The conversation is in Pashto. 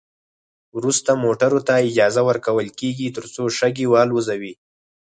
وروسته موټرو ته اجازه ورکول کیږي ترڅو شګې والوزوي